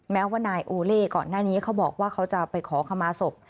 แม้ว่านายโอเล่ก่อนหน้านี้เขาบอกว่าเขาจะไปขอขมาศพ